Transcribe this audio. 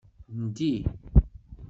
Ndi.